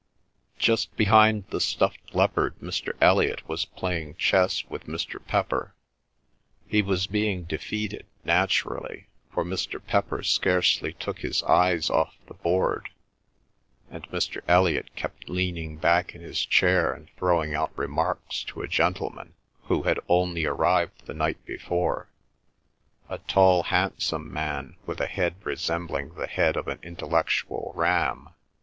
Just behind the stuffed leopard Mr. Elliot was playing chess with Mr. Pepper. He was being defeated, naturally, for Mr. Pepper scarcely took his eyes off the board, and Mr. Elliot kept leaning back in his chair and throwing out remarks to a gentleman who had only arrived the night before, a tall handsome man, with a head resembling the head of an intellectual ram.